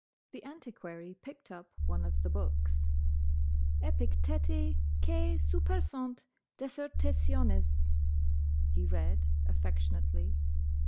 The Antiquary picked up one of the books. "'Epicteti quæ supersunt Dissertationes,'" he read, affectionately.